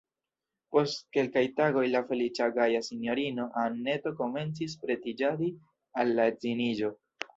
Post kelkaj tagoj la feliĉa, gaja sinjorino Anneto komencis pretiĝadi al la edziniĝo.